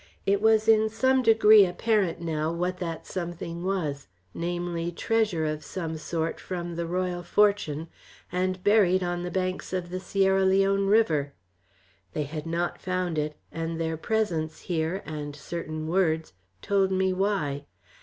It was in some degree apparent now what that something was: namely, treasure of some sort from the Royal Fortune, and buried on the banks of the Sierra Leone River. They had not found it, and their presence here, and certain words, told me why.